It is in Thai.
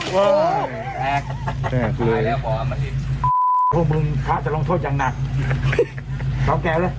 วันนี้คุณผู้ชมกำลังเทน้ำอามลิต